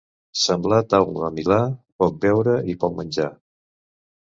Semblar taula de Milà: poc beure i poc menjar.